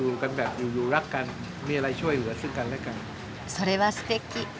それはすてき。